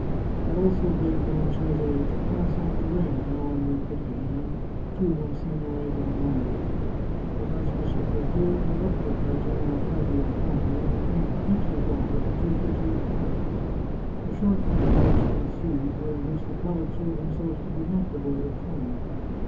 I also beg Don Cesare to pass on the ring, now on your pretty hand, to Monsignore del Dongo." The archbishop was here interrupted by General Fabio Conti, who came to fetch his daughter and take her to her carriage. A short conversation ensued, during which the prelate showed himself to be not devoid of cunning.